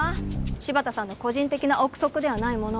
柴田さんの個人的な臆測ではないものを。